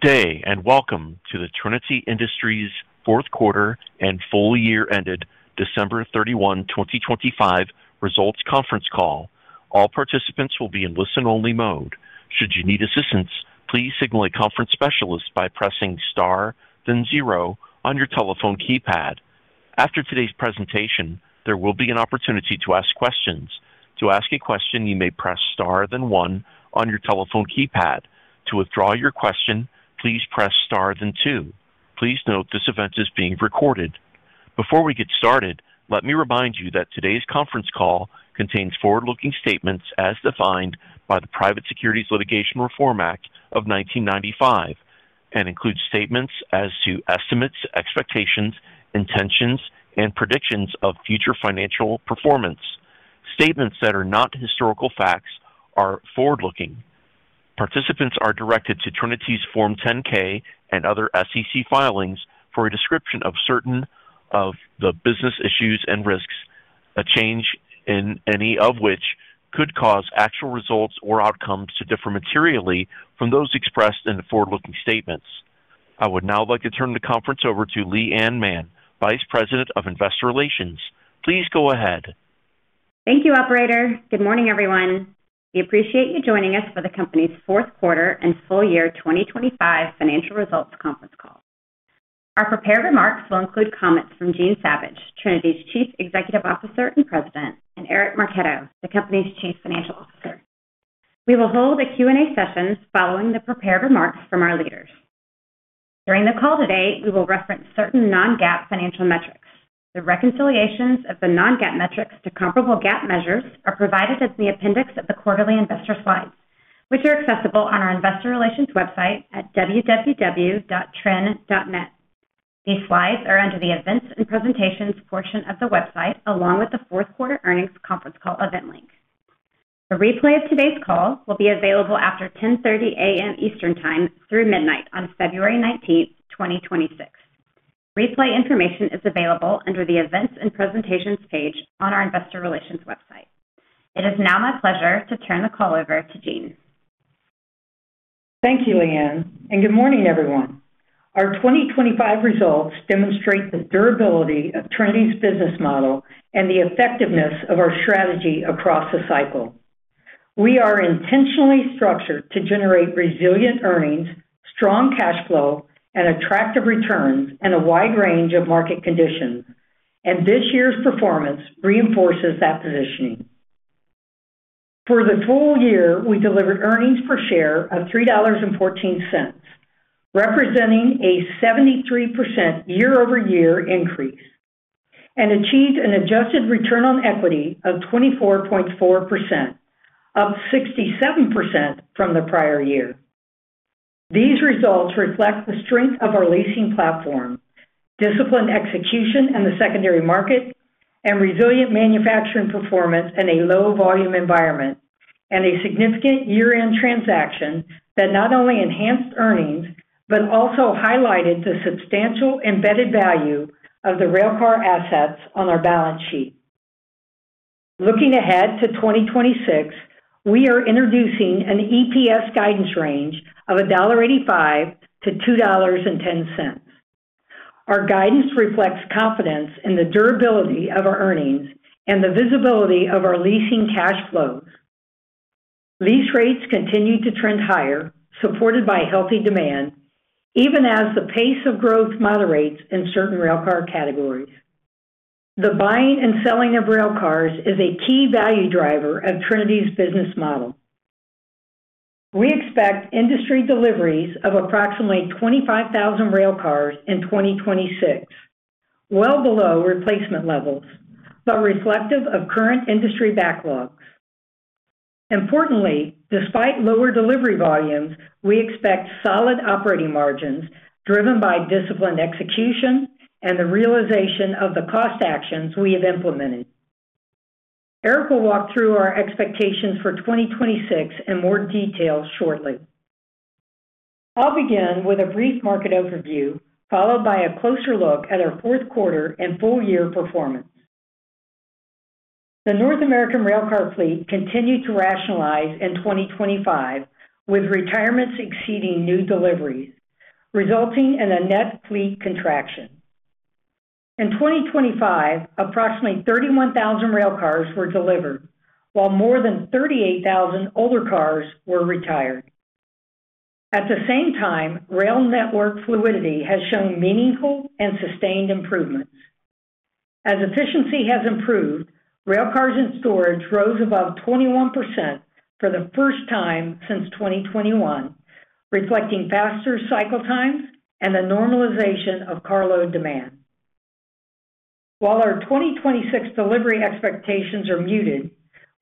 Good day, and welcome to the Trinity Industries fourth quarter and full year ended December 31, 2025 results conference call. All participants will be in listen-only mode. Should you need assistance, please signal a conference specialist by pressing star then zero on your telephone keypad. After today's presentation, there will be an opportunity to ask questions. To ask a question, you may press star, then one on your telephone keypad. To withdraw your question, please press star, then two. Please note, this event is being recorded. Before we get started, let me remind you that today's conference call contains forward-looking statements as defined by the Private Securities Litigation Reform Act of 1995, and includes statements as to estimates, expectations, intentions, and predictions of future financial performance. Statements that are not historical facts are forward-looking. Participants are directed to Trinity's Form 10-K and other SEC filings for a description of certain of the business issues and risks, a change in any of which could cause actual results or outcomes to differ materially from those expressed in the forward-looking statements. I would now like to turn the conference over to Leigh Anne Mann, Vice President of Investor Relations. Please go ahead. Thank you, operator. Good morning, everyone. We appreciate you joining us for the company's fourth quarter and full year 2025 financial results conference call. Our prepared remarks will include comments from Jean Savage, Trinity's Chief Executive Officer and President, and Eric Marchetto, the company's Chief Financial Officer. We will hold a Q&A session following the prepared remarks from our leaders. During the call today, we will reference certain non-GAAP financial metrics. The reconciliations of the non-GAAP metrics to comparable GAAP measures are provided at the appendix of the quarterly investor slides, which are accessible on our investor relations website at www.trin.net. These slides are under the Events and Presentations portion of the website, along with the fourth quarter earnings conference call event link. A replay of today's call will be available after 10:30 A.M. Eastern Time through midnight on February 19th, 2026. Replay information is available under the Events and Presentations page on our investor relations website. It is now my pleasure to turn the call over to Jean. Thank you, Leigh Anne, and good morning, everyone. Our 2025 results demonstrate the durability of Trinity's business model and the effectiveness of our strategy across the cycle. We are intentionally structured to generate resilient earnings, strong cash flow, and attractive returns in a wide range of market conditions, and this year's performance reinforces that positioning. For the full year, we delivered earnings per share of $3.14, representing a 73% year-over-year increase, and achieved an adjusted return on equity of 24.4%, up 67% from the prior year. These results reflect the strength of our leasing platform, disciplined execution in the secondary market, and resilient manufacturing performance in a low volume environment, and a significant year-end transaction that not only enhanced earnings, but also highlighted the substantial embedded value of the railcar assets on our balance sheet. Looking ahead to 2026, we are introducing an EPS guidance range of $1.85-$2.10. Our guidance reflects confidence in the durability of our earnings and the visibility of our leasing cash flows. Lease rates continued to trend higher, supported by healthy demand, even as the pace of growth moderates in certain railcar categories. The buying and selling of railcars is a key value driver of Trinity's business model. We expect industry deliveries of approximately 25,000 railcars in 2026, well below replacement levels, but reflective of current industry backlogs. Importantly, despite lower delivery volumes, we expect solid operating margins driven by disciplined execution and the realization of the cost actions we have implemented. Eric will walk through our expectations for 2026 in more detail shortly. I'll begin with a brief market overview, followed by a closer look at our fourth quarter and full year performance. The North American railcar fleet continued to rationalize in 2025, with retirements exceeding new deliveries, resulting in a net fleet contraction. In 2025, approximately 31,000 railcars were delivered, while more than 38,000 older cars were retired. At the same time, rail network fluidity has shown meaningful and sustained improvements. As efficiency has improved, railcars in storage rose above 21% for the first time since 2021, reflecting faster cycle times and the normalization of carload demand. While our 2026 delivery expectations are muted,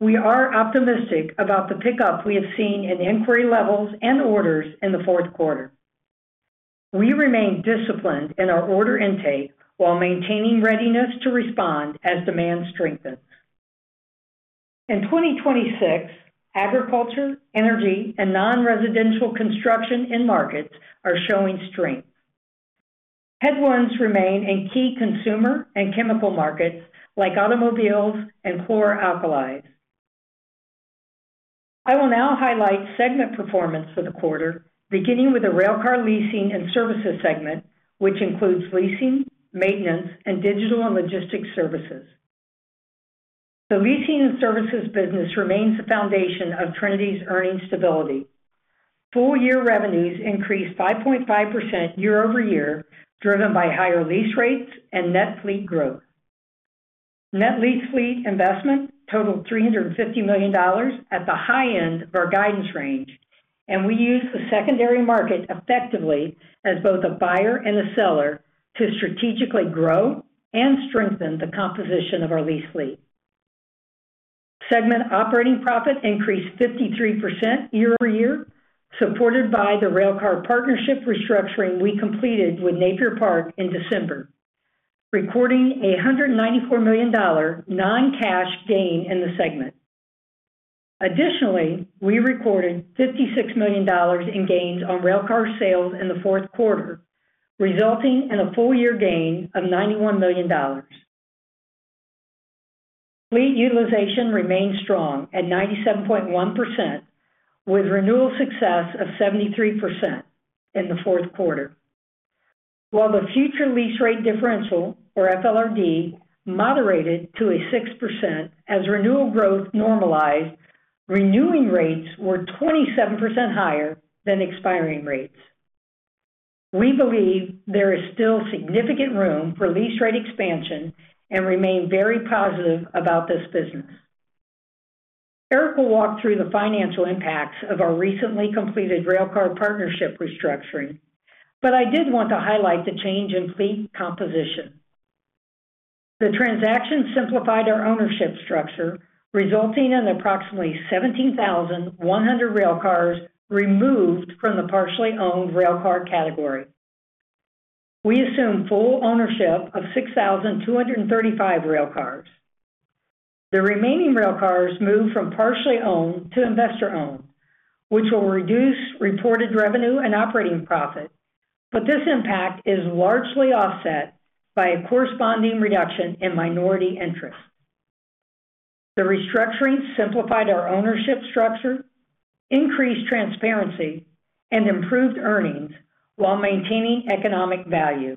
we are optimistic about the pickup we have seen in inquiry levels and orders in the fourth quarter. We remain disciplined in our order intake while maintaining readiness to respond as demand strengthens. In 2026, agriculture, energy, and non-residential construction end markets are showing strength. Headwinds remain in key consumer and chemical markets like automobiles and chlor-alkali. I will now highlight segment performance for the quarter, beginning with the Railcar Leasing and Services segment, which includes leasing, maintenance, and digital and logistics services. The leasing and services business remains the foundation of Trinity's earnings stability. Full-year revenues increased 5.5% year-over-year, driven by higher lease rates and net fleet growth. Net lease fleet investment totaled $350 million at the high end of our guidance range, and we used the secondary market effectively as both a buyer and a seller to strategically grow and strengthen the composition of our lease fleet. Segment operating profit increased 53% year-over-year, supported by the railcar partnership restructuring we completed with Napier Park in December, recording a $194 million non-cash gain in the segment. Additionally, we recorded $56 million in gains on railcar sales in the fourth quarter, resulting in a full-year gain of $91 million. Fleet utilization remained strong at 97.1%, with renewal success of 73% in the fourth quarter. While the future lease rate differential, or FLRD, moderated to a 6% as renewal growth normalized, renewing rates were 27% higher than expiring rates. We believe there is still significant room for lease rate expansion and remain very positive about this business. Eric will walk through the financial impacts of our recently completed railcar partnership restructuring, but I did want to highlight the change in fleet composition. The transaction simplified our ownership structure, resulting in approximately 17,100 railcars removed from the partially owned railcar category. We assumed full ownership of 6,235 railcars. The remaining railcars moved from partially owned to investor owned, which will reduce reported revenue and operating profit, but this impact is largely offset by a corresponding reduction in minority interest. The restructuring simplified our ownership structure, increased transparency, and improved earnings while maintaining economic value.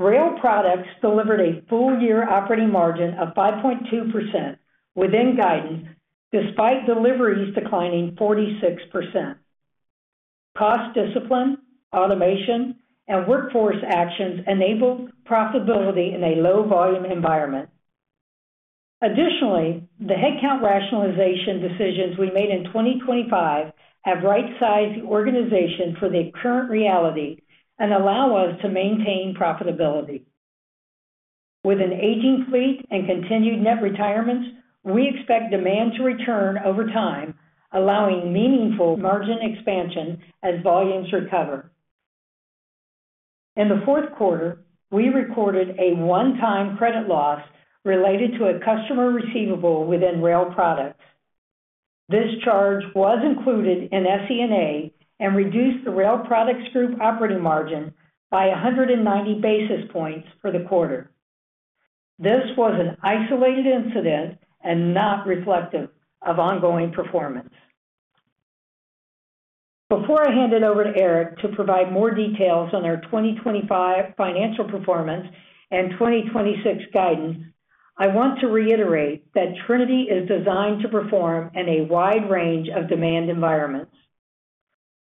Rail products delivered a full-year operating margin of 5.2% within guidance, despite deliveries declining 46%. Cost discipline, automation, and workforce actions enabled profitability in a low-volume environment. Additionally, the headcount rationalization decisions we made in 2025 have right-sized the organization for the current reality and allow us to maintain profitability. With an aging fleet and continued net retirements, we expect demand to return over time, allowing meaningful margin expansion as volumes recover. In the fourth quarter, we recorded a one-time credit loss related to a customer receivable within rail products. This charge was included in SG&A and reduced the rail products group operating margin by 190 basis points for the quarter. This was an isolated incident and not reflective of ongoing performance. Before I hand it over to Eric to provide more details on our 2025 financial performance and 2026 guidance, I want to reiterate that Trinity is designed to perform in a wide range of demand environments.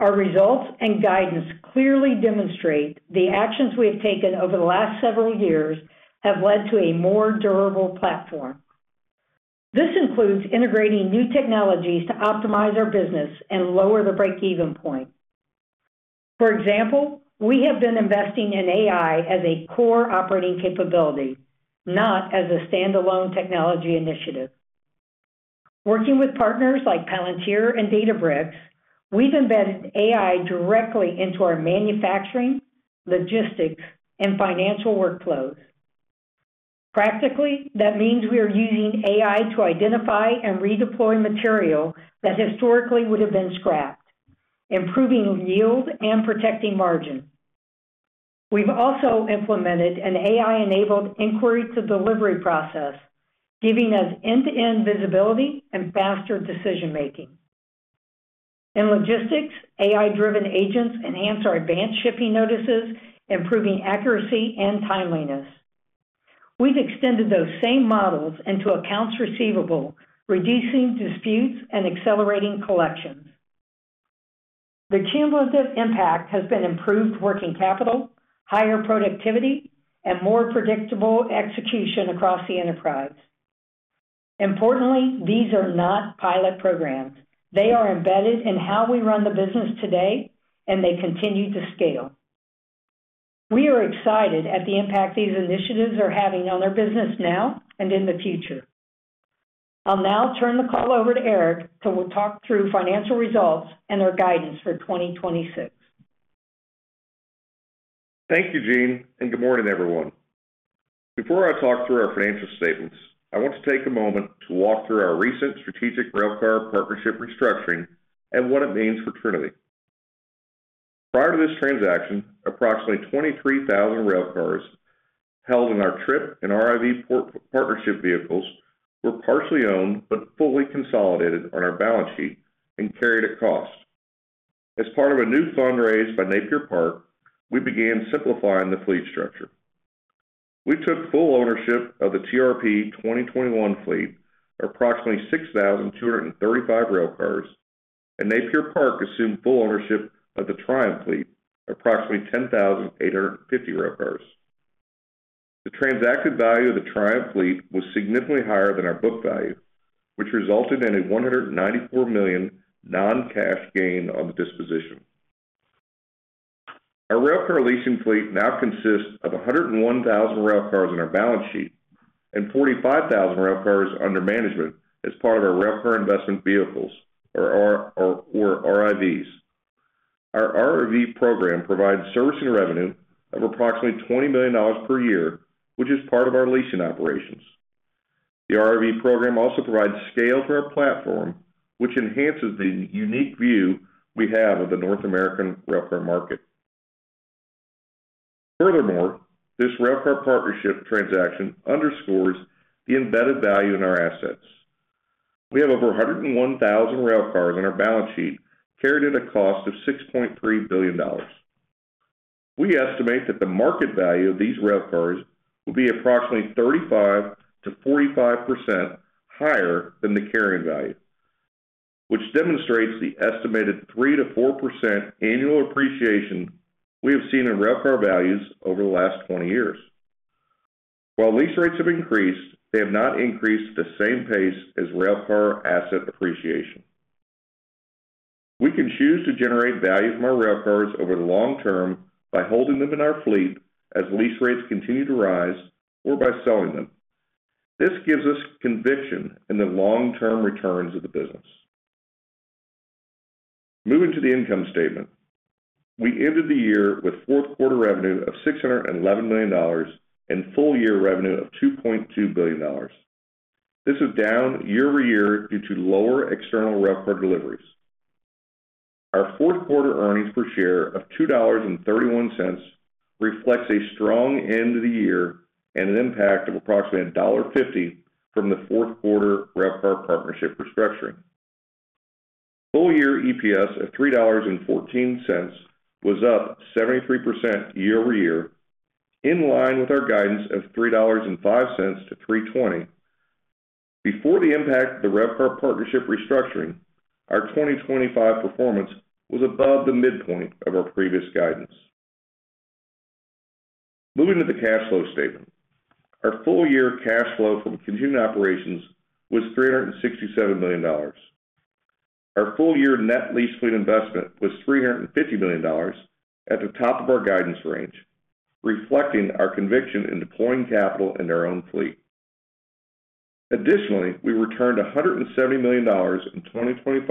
Our results and guidance clearly demonstrate the actions we have taken over the last several years have led to a more durable platform. This includes integrating new technologies to optimize our business and lower the break-even point. For example, we have been investing in AI as a core operating capability, not as a standalone technology initiative. Working with partners like Palantir and Databricks, we've embedded AI directly into our manufacturing, logistics, and financial workflows. Practically, that means we are using AI to identify and redeploy material that historically would have been scrapped, improving yield and protecting margin. We've also implemented an AI-enabled inquiry-to-delivery process, giving us end-to-end visibility and faster decision-making. In logistics, AI-driven agents enhance our advanced shipping notices, improving accuracy and timeliness. We've extended those same models into accounts receivable, reducing disputes and accelerating collections. The cumulative impact has been improved working capital, higher productivity, and more predictable execution across the enterprise. Importantly, these are not pilot programs. They are embedded in how we run the business today, and they continue to scale. We are excited at the impact these initiatives are having on our business now and in the future. I'll now turn the call over to Eric, who will talk through financial results and our guidance for 2026. Thank you, Jean, and good morning, everyone. Before I talk through our financial statements, I want to take a moment to walk through our recent strategic railcar partnership restructuring and what it means for Trinity. Prior to this transaction, approximately 23,000 railcars held in our TRP and RIV partnership vehicles were partially owned but fully consolidated on our balance sheet and carried at cost. As part of a new fund raise by Napier Park, we began simplifying the fleet structure. We took full ownership of the TRP 2021 fleet, approximately 6,235 railcars, and Napier Park assumed full ownership of the TRIP fleet, approximately 10,850 railcars. The transacted value of the TRIP fleet was significantly higher than our book value, which resulted in a $194 million non-cash gain on the disposition. Our railcar leasing fleet now consists of 101,000 railcars on our balance sheet and 45,000 railcars under management as part of our railcar investment vehicles, or RIVs. Our RIV program provides servicing revenue of approximately $20 million per year, which is part of our leasing operations. The RIV program also provides scale to our platform, which enhances the unique view we have of the North American railcar market. Furthermore, this railcar partnership transaction underscores the embedded value in our assets. We have over 101,000 railcars on our balance sheet, carried at a cost of $6.3 billion. We estimate that the market value of these railcars will be approximately 35%-45% higher than the carrying value, which demonstrates the estimated 3%-4% annual appreciation we have seen in railcar values over the last 20 years. While lease rates have increased, they have not increased at the same pace as railcar asset appreciation. We can choose to generate value from our railcars over the long term by holding them in our fleet as lease rates continue to rise, or by selling them. This gives us conviction in the long-term returns of the business. Moving to the income statement. We ended the year with fourth quarter revenue of $611 million and full year revenue of $2.2 billion. This is down year over year due to lower external railcar deliveries. Our fourth quarter earnings per share of $2.31 reflects a strong end to the year and an impact of approximately $1.50 from the fourth quarter railcar partnership restructuring. Full year EPS of $3.14 was up 73% year-over-year, in line with our guidance of $3.05-$3.20. Before the impact of the railcar partnership restructuring, our 2025 performance was above the midpoint of our previous guidance. Moving to the cash flow statement. Our full year cash flow from continuing operations was $367 million. Our full year net lease fleet investment was $350 million at the top of our guidance range, reflecting our conviction in deploying capital in our own fleet. Additionally, we returned $170 million in 2025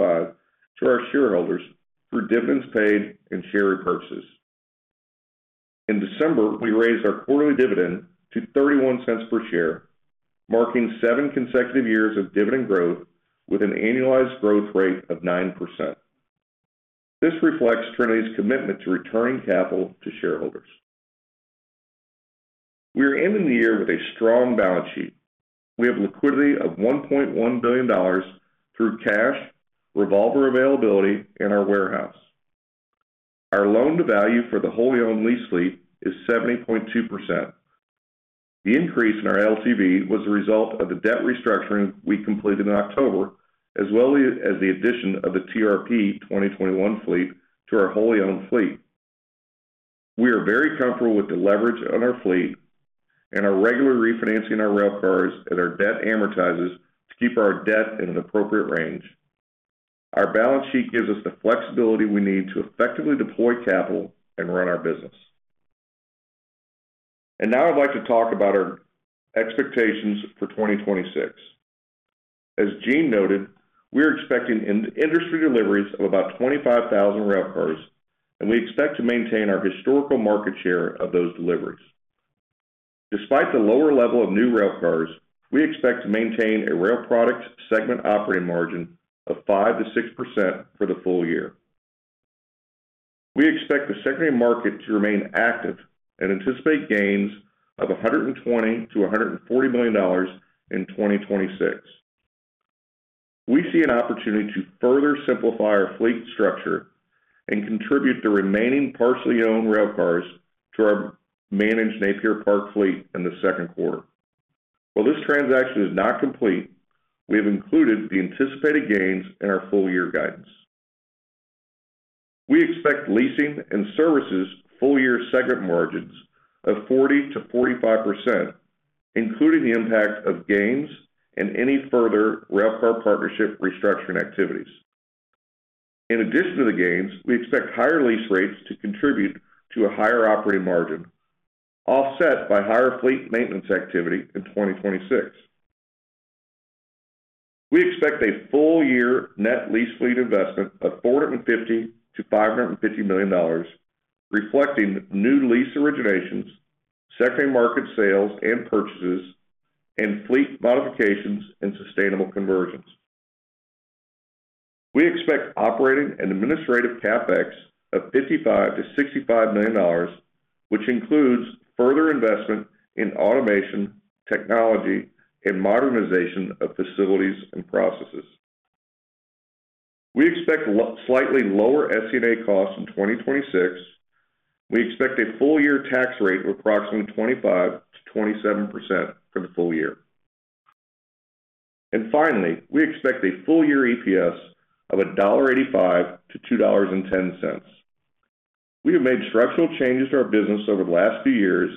to our shareholders through dividends paid and share repurchases. In December, we raised our quarterly dividend to $0.31 per share, marking seven consecutive years of dividend growth with an annualized growth rate of 9%. This reflects Trinity's commitment to returning capital to shareholders. We are ending the year with a strong balance sheet. We have liquidity of $1.1 billion through cash, revolver availability, and our warehouse. Our loan-to-value for the wholly owned lease fleet is 70.2%. The increase in our LTV was a result of the debt restructuring we completed in October, as well as the addition of the TRP 2021 fleet to our wholly owned fleet. We are very comfortable with the leverage on our fleet and are regularly refinancing our railcars as our debt amortizes to keep our debt in an appropriate range. Our balance sheet gives us the flexibility we need to effectively deploy capital and run our business. Now I'd like to talk about our expectations for 2026. As Jean noted, we are expecting industry deliveries of about 25,000 railcars, and we expect to maintain our historical market share of those deliveries. Despite the lower level of new railcars, we expect to maintain a rail product segment operating margin of 5%-6% for the full year. We expect the secondary market to remain active and anticipate gains of $120 million-$140 million in 2026. We see an opportunity to further simplify our fleet structure and contribute the remaining partially owned railcars to our managed Napier Park fleet in the second quarter. While this transaction is not complete, we have included the anticipated gains in our full year guidance. We expect leasing and services full year segment margins of 40%-45%, including the impact of gains and any further railcar partnership restructuring activities. In addition to the gains, we expect higher lease rates to contribute to a higher operating margin, offset by higher fleet maintenance activity in 2026. We expect a full year net lease fleet investment of $450 million-$550 million, reflecting new lease originations, secondary market sales and purchases, and fleet modifications and sustainable conversions.... We expect operating and administrative CapEx of $55 million-$65 million, which includes further investment in automation, technology, and modernization of facilities and processes. We expect slightly lower SG&A costs in 2026. We expect a full year tax rate of approximately 25%-27% for the full year. And finally, we expect a full year EPS of $1.85-$2.10. We have made structural changes to our business over the last few years,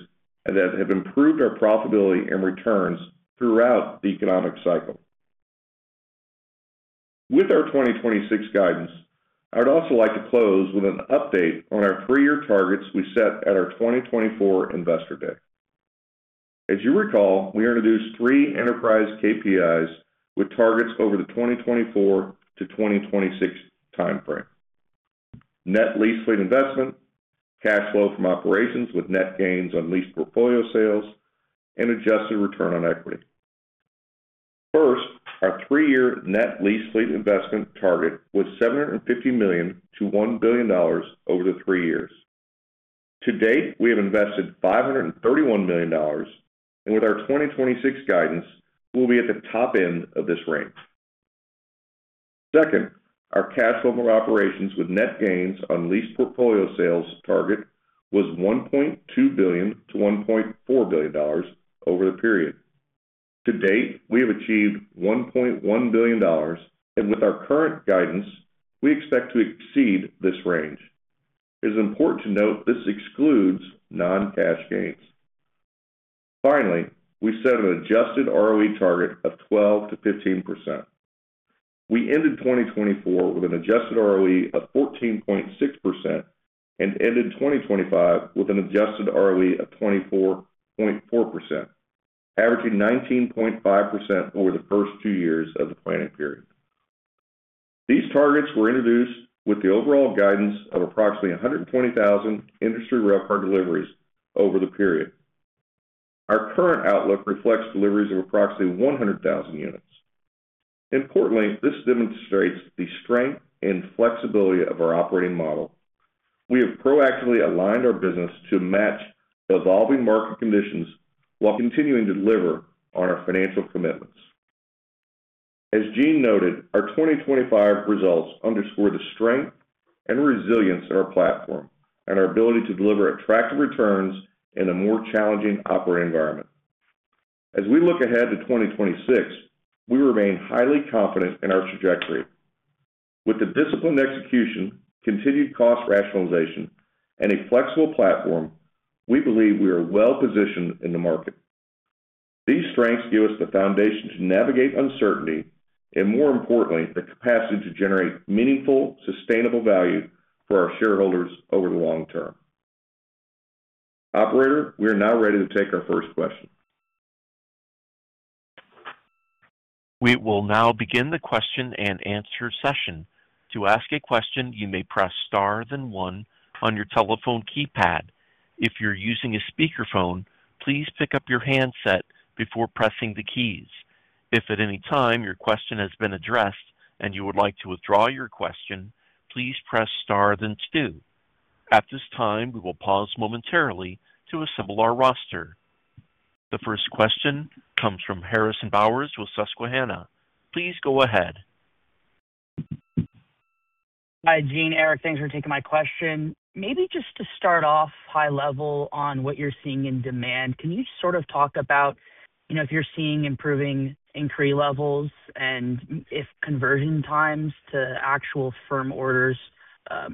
and that have improved our profitability and returns throughout the economic cycle. With our 2026 guidance, I would also like to close with an update on our five-year targets we set at our 2024 Investor Day. As you recall, we introduced three enterprise KPIs with targets over the 2024-2026 timeframe: net lease fleet investment, cash flow from operations with net gains on leased portfolio sales, and adjusted return on equity. First, our three-year net lease fleet investment target was $750 million-$1 billion over the three years. To date, we have invested $531 million, and with our 2026 guidance, we'll be at the top end of this range. Second, our cash flow from operations with net gains on leased portfolio sales target was $1.2 billion-$1.4 billion over the period. To date, we have achieved $1.1 billion, and with our current guidance, we expect to exceed this range. It is important to note this excludes non-cash gains. Finally, we set an adjusted ROE target of 12%-15%. We ended 2024 with an adjusted ROE of 14.6% and ended 2025 with an adjusted ROE of 24.4%, averaging 19.5% over the first two years of the planning period. These targets were introduced with the overall guidance of approximately 120,000 industry railcar deliveries over the period. Our current outlook reflects deliveries of approximately 100,000 units. Importantly, this demonstrates the strength and flexibility of our operating model. We have proactively aligned our business to match the evolving market conditions while continuing to deliver on our financial commitments. As Jean noted, our 2025 results underscore the strength and resilience in our platform and our ability to deliver attractive returns in a more challenging operating environment. As we look ahead to 2026, we remain highly confident in our trajectory. With the disciplined execution, continued cost rationalization, and a flexible platform, we believe we are well positioned in the market. These strengths give us the foundation to navigate uncertainty, and more importantly, the capacity to generate meaningful, sustainable value for our shareholders over the long term. Operator, we are now ready to take our first question. We will now begin the question-and-answer session. To ask a question, you may press star then one on your telephone keypad. If you're using a speakerphone, please pick up your handset before pressing the keys. If at any time your question has been addressed and you would like to withdraw your question, please press star then two. At this time, we will pause momentarily to assemble our roster. The first question comes from Harrison Bauer with Susquehanna. Please go ahead. Hi, Jean, Eric, thanks for taking my question. Maybe just to start off high level on what you're seeing in demand, can you sort of talk about, you know, if you're seeing improving inquiry levels and if conversion times to actual firm orders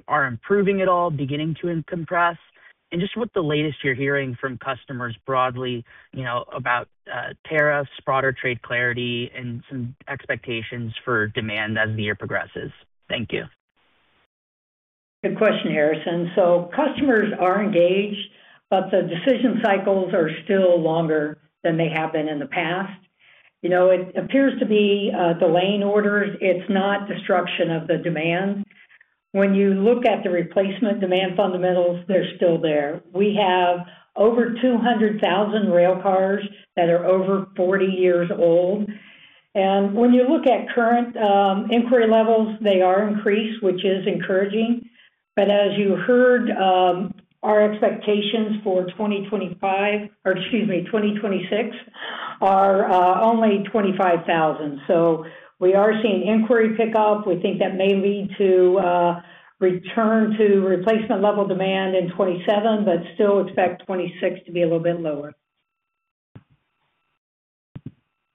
are improving at all, beginning to uncompress? And just what the latest you're hearing from customers broadly, you know, about tariffs, broader trade clarity, and some expectations for demand as the year progresses. Thank you. Good question, Harrison. So customers are engaged, but the decision cycles are still longer than they have been in the past. You know, it appears to be delaying orders. It's not destruction of the demand. When you look at the replacement demand fundamentals, they're still there. We have over 200,000 railcars that are over 40 years old, and when you look at current inquiry levels, they are increased, which is encouraging. But as you heard, our expectations for 2025, or excuse me, 2026, are only 25,000. So we are seeing inquiry pick up. We think that may lead to return to replacement level demand in 2027, but still expect 2026 to be a little bit lower.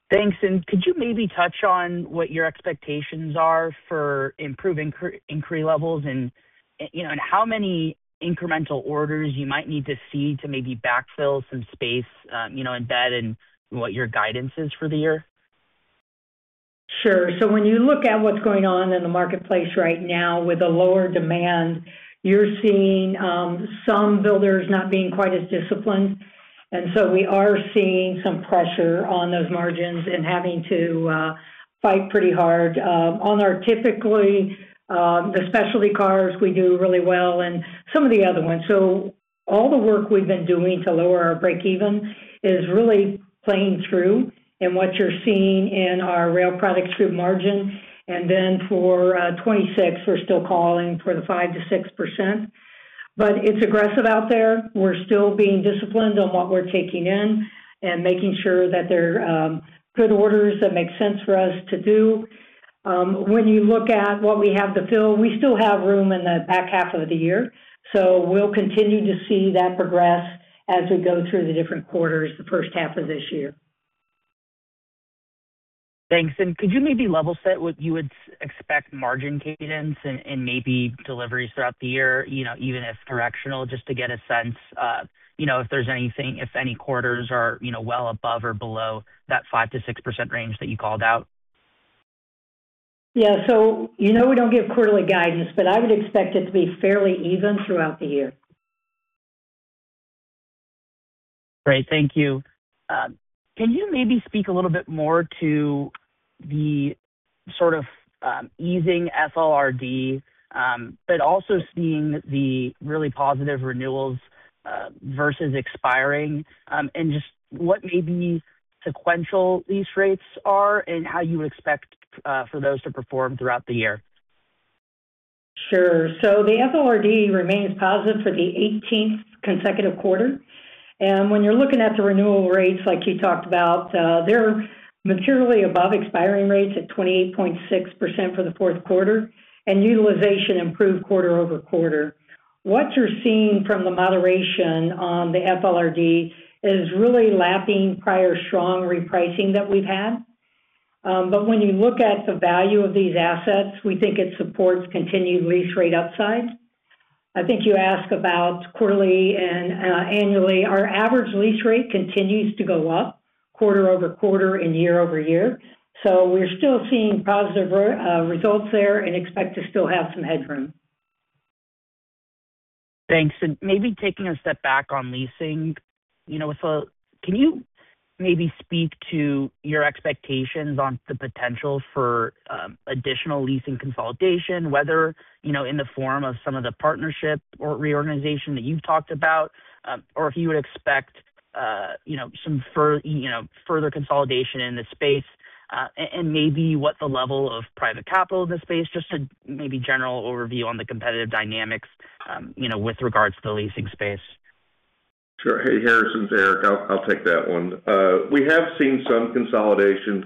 Thanks. And could you maybe touch on what your expectations are for improving inquiry levels and, you know, and how many incremental orders you might need to see to maybe backfill some space, you know, in bed, and what your guidance is for the year? Sure. So when you look at what's going on in the marketplace right now with the lower demand, you're seeing some builders not being quite as disciplined, and so we are seeing some pressure on those margins and having to fight pretty hard on our typically the specialty cars, we do really well and some of the other ones. So all the work we've been doing to lower our breakeven is really playing through and what you're seeing in our rail product group margin. And then for 2026, we're still calling for 5%-6%. But it's aggressive out there. We're still being disciplined on what we're taking in and making sure that they're good orders that make sense for us to do. When you look at what we have to fill, we still have room in the back half of the year, so we'll continue to see that progress as we go through the different quarters, the first half of this year. Thanks. And could you maybe level set what you would expect margin cadence and, and maybe deliveries throughout the year, you know, even if directional, just to get a sense, you know, if there's anything, if any quarters are, you know, well above or below that 5%-6% range that you called out? Yeah. So, you know, we don't give quarterly guidance, but I would expect it to be fairly even throughout the year. Great, thank you. Can you maybe speak a little bit more to the sort of easing FLRD, but also seeing the really positive renewals versus expiring, and just what maybe sequential lease rates are and how you expect for those to perform throughout the year? Sure. So the FLRD remains positive for the 18th consecutive quarter. When you're looking at the renewal rates, like you talked about, they're materially above expiring rates at 28.6% for the fourth quarter, and utilization improved quarter-over-quarter. What you're seeing from the moderation on the FLRD is really lapping prior strong repricing that we've had. But when you look at the value of these assets, we think it supports continued lease rate upside. I think you ask about quarterly and annually. Our average lease rate continues to go up quarter-over-quarter and year-over-year, so we're still seeing positive re- results there and expect to still have some headroom. Thanks. And maybe taking a step back on leasing, you know, so can you maybe speak to your expectations on the potential for additional leasing consolidation, whether, you know, in the form of some of the partnership or reorganization that you've talked about, or if you would expect, you know, some further consolidation in the space, and maybe what the level of private capital in the space, just to maybe general overview on the competitive dynamics, you know, with regards to the leasing space? Sure. Hey, Harrison, it's Eric. I'll take that one. We have seen some consolidation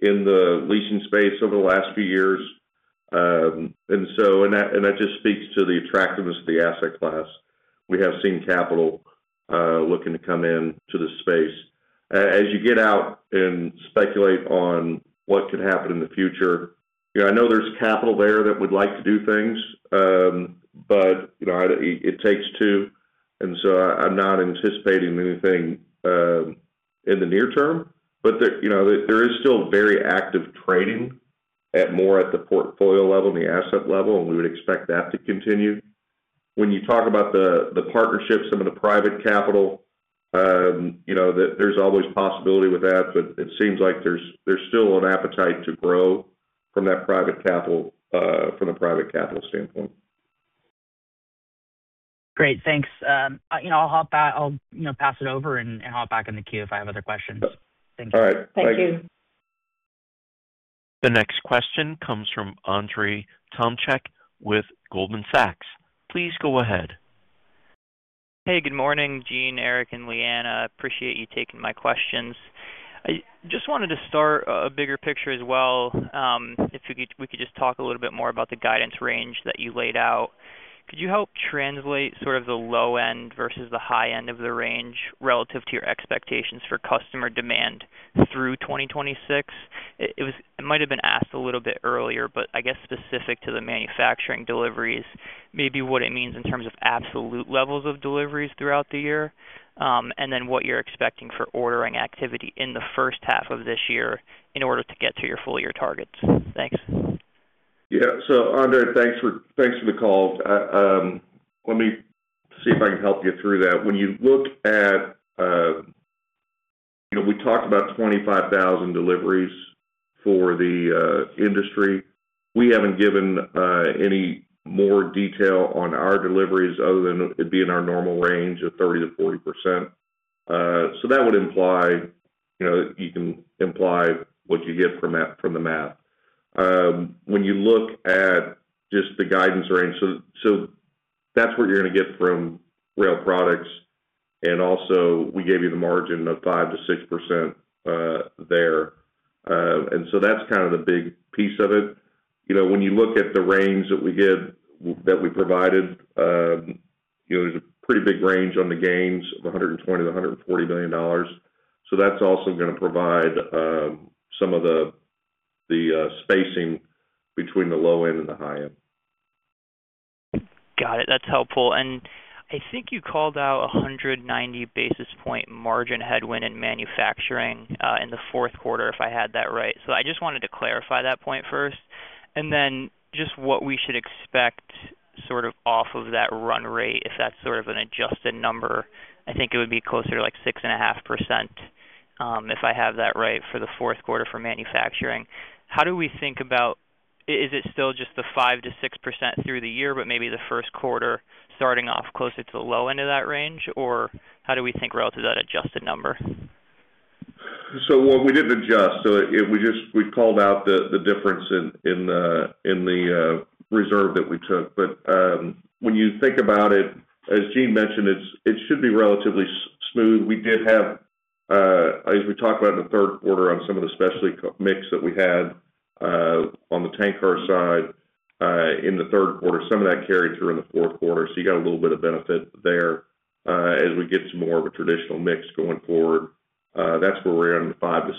in the leasing space over the last few years. And that just speaks to the attractiveness of the asset class. We have seen capital looking to come in to the space. As you get out and speculate on what could happen in the future, you know, I know there's capital there that would like to do things, but, you know, it takes two, and so I'm not anticipating anything in the near term. But there, you know, there is still very active trading more at the portfolio level and the asset level, and we would expect that to continue. When you talk about the partnerships, some of the private capital, you know, there's always possibility with that, but it seems like there's still an appetite to grow from that private capital, from the private capital standpoint. Great, thanks. You know, I'll hop back. I'll, you know, pass it over and hop back in the queue if I have other questions. Yep. Thank you. All right. Thank you. Thank you. The next question comes from Andre Tomchek with Goldman Sachs. Please go ahead. Hey, good morning, Jean, Eric, and Leigh Anne. I appreciate you taking my questions. I just wanted to start a bigger picture as well. If you could, we could just talk a little bit more about the guidance range that you laid out. Could you help translate sort of the low end versus the high end of the range relative to your expectations for customer demand through 2026? It might have been asked a little bit earlier, but I guess specific to the manufacturing deliveries, maybe what it means in terms of absolute levels of deliveries throughout the year, and then what you're expecting for ordering activity in the first half of this year in order to get to your full year targets. Thanks. Yeah. So Andre, thanks for, thanks for the call. Let me see if I can help you through that. When you look at, you know, we talked about 25,000 deliveries for the, industry. We haven't given, any more detail on our deliveries other than it being our normal range of 30%-40%. So that would imply, you know, you can imply what you get from that- from the math. When you look at just the guidance range, so, that's what you're gonna get from rail products, and also we gave you the margin of 5%-6%, there. And so that's kind of the big piece of it. You know, when you look at the range that we give, that we provided, you know, there's a pretty big range on the gains of $120 million-$140 million. So that's also gonna provide some of the, the, spacing between the low end and the high end. Got it. That's helpful. And I think you called out 190 basis points margin headwind in manufacturing in the fourth quarter, if I had that right. So I just wanted to clarify that point first, and then just what we should expect sort of off of that run rate, if that's sort of an adjusted number. I think it would be closer to, like, 6.5%, if I have that right for the fourth quarter for manufacturing. How do we think about... is it still just the 5%-6% through the year, but maybe the first quarter starting off closer to the low end of that range? Or how do we think relative to that adjusted number? Well, we didn't adjust, so it, it—we just called out the difference in the reserve that we took. But when you think about it, as Jean mentioned, it should be relatively smooth. We did have, as we talked about in the third quarter, on some of the specialty mix that we had on the tank car side, in the third quarter, some of that carried through in the fourth quarter, so you got a little bit of benefit there. As we get to more of a traditional mix going forward, that's where we're in the 5%-6%.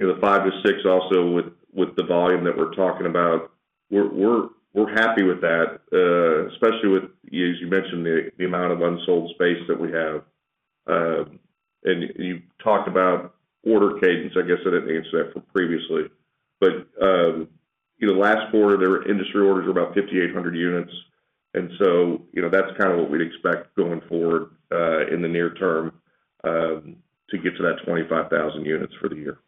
You know, the 5%-6% also, with the volume that we're talking about, we're happy with that, especially with, as you mentioned, the amount of unsold space that we have. And you talked about order cadence. I guess I didn't answer that previously, but you know, last quarter, their industry orders were about 5,800 units, and so, you know, that's kind of what we'd expect going forward in the near term to get to that 25,000 units for the year.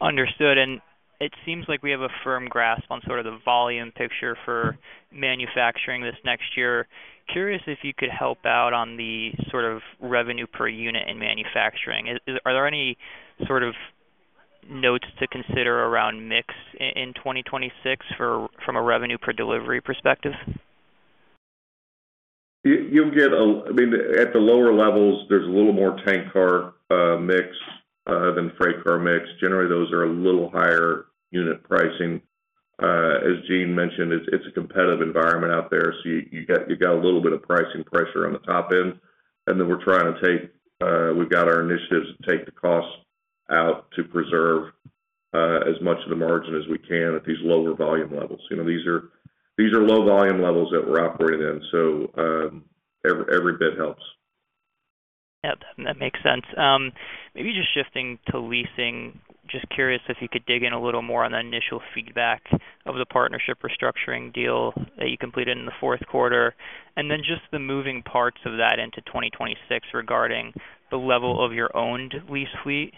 Understood. And it seems like we have a firm grasp on sort of the volume picture for manufacturing this next year. Curious if you could help out on the sort of revenue per unit in manufacturing. Are there any sort of notes to consider around mix in 2026 from a revenue per delivery perspective? You'll get a. I mean, at the lower levels, there's a little more tank car mix than freight car mix. Generally, those are a little higher unit pricing. As Jean mentioned, it's a competitive environment out there, so you got a little bit of pricing pressure on the top end. And then we've got our initiatives to take the costs out to preserve as much of the margin as we can at these lower volume levels. You know, these are low volume levels that we're operating in, so every bit helps. Yep, that makes sense. Maybe just shifting to leasing, just curious if you could dig in a little more on the initial feedback of the partnership restructuring deal that you completed in the fourth quarter, and then just the moving parts of that into 2026, regarding the level of your owned lease fleet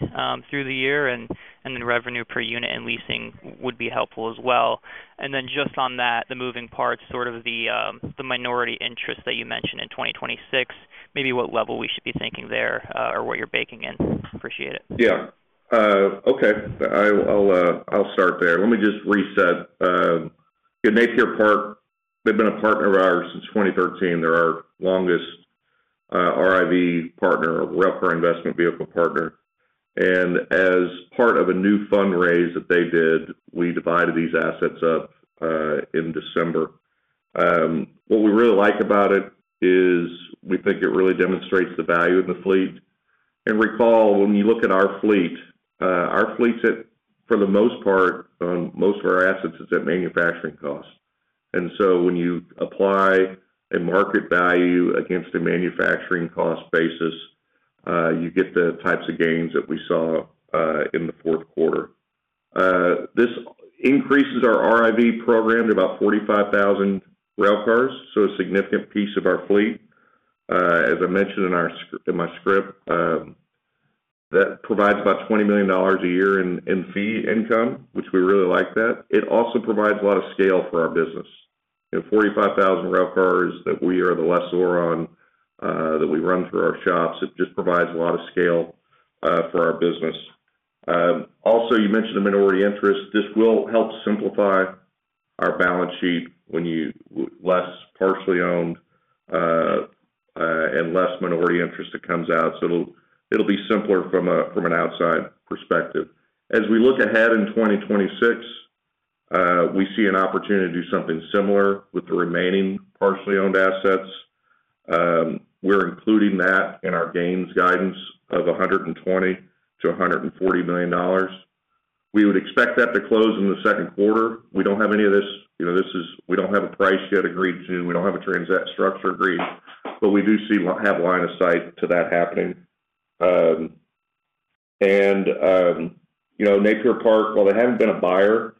through the year, and the revenue per unit and leasing would be helpful as well. And then, just on that, the moving parts, sort of the minority interest that you mentioned in 2026, maybe what level we should be thinking there, or what you're baking in? Appreciate it. Yeah. Okay. I'll start there. Let me just reset. You know, Napier Park, they've been a partner of ours since 2013. They're our longest RIV partner, Railcar Investment Vehicle partner. And as part of a new fundraise that they did, we divided these assets up in December. What we really like about it is we think it really demonstrates the value in the fleet. And recall, when you look at our fleet, our fleet's at, for the most part, most of our assets is at manufacturing cost. And so when you apply a market value against a manufacturing cost basis, you get the types of gains that we saw in the fourth quarter. This increases our RIV program to about 45,000 railcars, so a significant piece of our fleet. As I mentioned in my script, that provides about $20 million a year in fee income, which we really like that. It also provides a lot of scale for our business. You know, 45,000 railcars that we are the lessor on, that we run through our shops, it just provides a lot of scale for our business. Also, you mentioned the minority interest. This will help simplify our balance sheet when less partially owned, and less minority interest that comes out, so it'll be simpler from an outside perspective. As we look ahead in 2026, we see an opportunity to do something similar with the remaining partially owned assets. We're including that in our gains guidance of $120 million-$140 million. We would expect that to close in the second quarter. We don't have any of this, you know, this is. We don't have a price yet agreed to, we don't have a transaction structure agreed, but we do see, have line of sight to that happening. And, you know, Napier Park, while they haven't been a buyer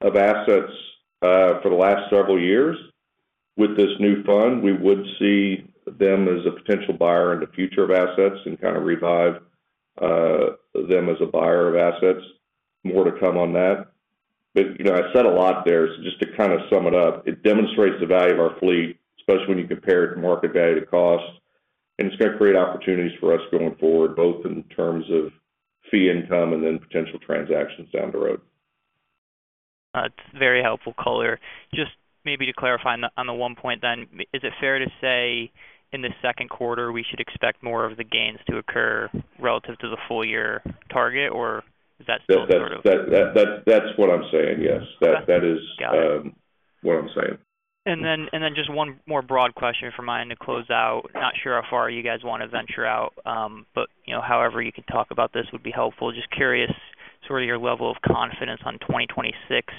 of assets for the last several years, with this new fund, we would see them as a potential buyer in the future of assets and kind of revive them as a buyer of assets. More to come on that. You know, I said a lot there, so just to kind of sum it up, it demonstrates the value of our fleet, especially when you compare it to market value to cost, and it's going to create opportunities for us going forward, both in terms of fee income and then potential transactions down the road. That's very helpful color. Just maybe to clarify on the one point then, is it fair to say in the second quarter, we should expect more of the gains to occur relative to the full year target, or is that still sort of- That's what I'm saying, yes. Got it. That is, what I'm saying. Just one more broad question for mine to close out. Not sure how far you guys want to venture out, but, you know, however you can talk about this would be helpful. Just curious, sort of your level of confidence on 2026,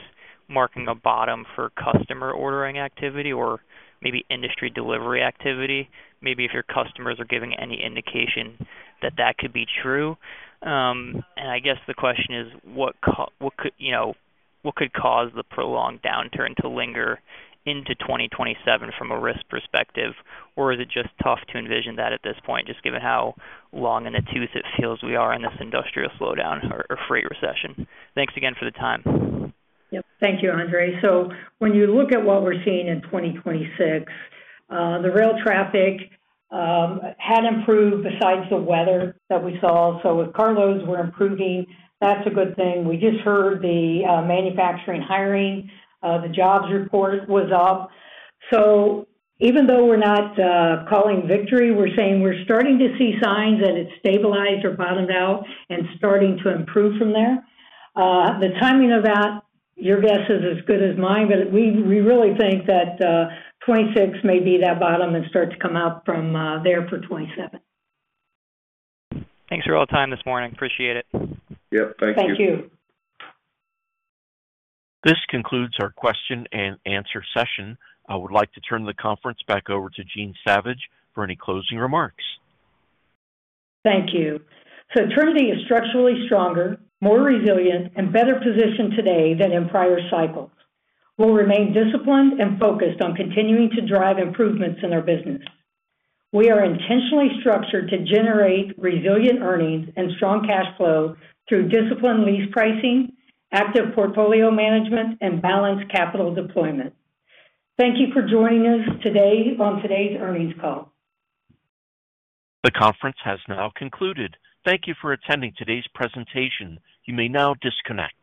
marking a bottom for customer ordering activity or maybe industry delivery activity, maybe if your customers are giving any indication that that could be true. And I guess the question is: What could, you know, what could cause the prolonged downturn to linger into 2027 from a risk perspective? Or is it just tough to envision that at this point, just given how long and obtuse it feels we are in this industrial slowdown or freight recession? Thanks again for the time. Yep. Thank you, Andrej. So when you look at what we're seeing in 2026, the rail traffic had improved besides the weather that we saw. So if car loads were improving, that's a good thing. We just heard the manufacturing hiring, the jobs report was up. So even though we're not calling victory, we're saying we're starting to see signs that it's stabilized or bottomed out and starting to improve from there. The timing of that, your guess is as good as mine, but we, we really think that 2026 may be that bottom and start to come out from there for 2027. Thanks for all the time this morning. Appreciate it. Yep, thank you. Thank you. This concludes our question and answer session. I would like to turn the conference back over to Jean Savage for any closing remarks. Thank you. Trinity is structurally stronger, more resilient, and better positioned today than in prior cycles. We'll remain disciplined and focused on continuing to drive improvements in our business. We are intentionally structured to generate resilient earnings and strong cash flow through disciplined lease pricing, active portfolio management, and balanced capital deployment. Thank you for joining us today on today's earnings call. The conference has now concluded. Thank you for attending today's presentation. You may now disconnect.